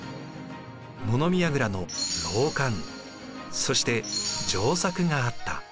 物見やぐらの楼観そして城柵があった。